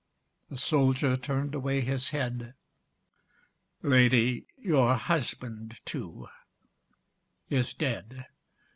The soldier turned away his head: "Lady, your husband, too, is dead."